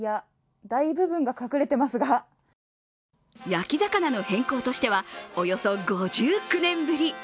焼き魚の変更としてはおよそ５９年ぶり。